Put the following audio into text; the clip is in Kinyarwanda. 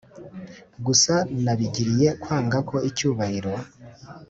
gusa nabigiriye kwanga ko icyubahiro